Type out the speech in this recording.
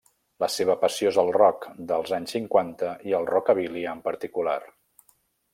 La seva passió és el rock dels anys cinquanta i el rockabilly en particular.